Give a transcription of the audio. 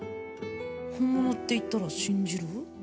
本物って言ったら信じる？